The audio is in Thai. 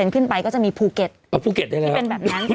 ขึ้นไปก็จะมีภูเก็ตที่เป็นแบบนั้น